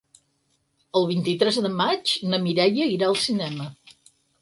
El vint-i-tres de maig na Mireia irà al cinema.